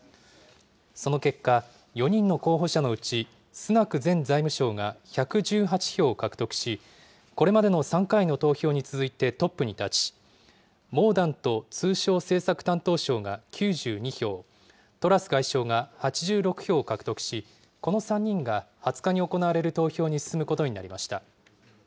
その結果、４人の候補者のうちスナク前財務相が１１８票を獲得し、これまでの３回の投票に続いてトップに立ち、モーダント通商政策担当相が９２票、トラス外相が８６票を獲得し、この３人が２０日に行われる投票に進むことになりました。